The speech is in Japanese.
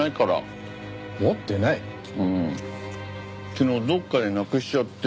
昨日どっかでなくしちゃって。